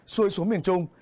xuôi xuống miền trung